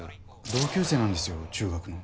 同級生なんですよ中学の。